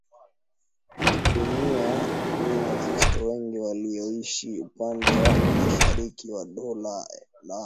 duniani Wakristo wengi walioishi upande wa mashariki wa Dola la